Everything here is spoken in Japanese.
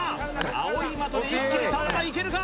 青い的で一気に３枚いけるか？